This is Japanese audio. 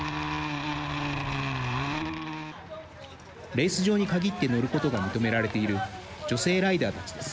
レース場に限って乗ることが認められている女性ライダーたちです。